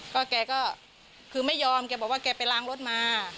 ก็แกก็คือไม่ยอมแกบอกว่าแกไปล้างรถมา